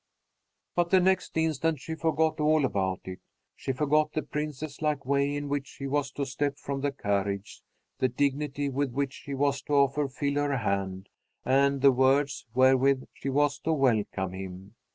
But the next instant she forgot all about it. She forgot the princess like way in which she was to step from the carriage, the dignity with which she was to offer Phil her hand, and the words wherewith she was to welcome him.